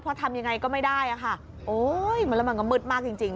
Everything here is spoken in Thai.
เพราะทำอย่างไรก็ไม่ได้มันก็มืดมากจริง